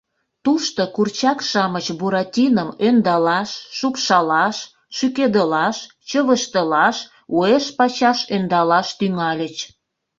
Тушто курчак-шамыч Буратином ӧндалаш, шупшалаш, шӱкедылаш, чывыштылаш, уэш-пачаш ӧндалаш тӱҥальыч.